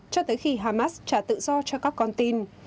cho tới khi hamas trả tự do cho các con tin